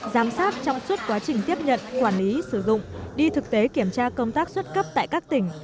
giám sát trong suốt quá trình tiếp nhận quản lý sử dụng đi thực tế kiểm tra công tác xuất cấp tại các tỉnh